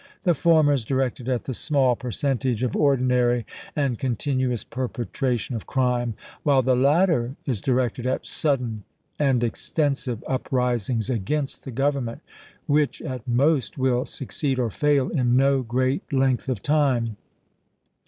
The former is directed at the small percen tage of ordinary and continuous perpetration of crime, while the latter is directed at sudden and extensive up risings against the Government, which, at most, will suc ceed or fail in no great length of time.